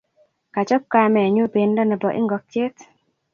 Kachop kamenyu pendo nebo ingokiet